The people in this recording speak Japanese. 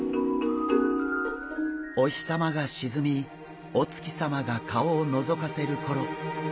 お日さまが沈みお月さまが顔をのぞかせるころ。